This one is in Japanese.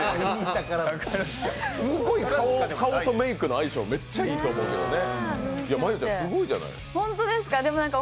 すごい顔とメイクの相性、めっちゃいいと思うけどね。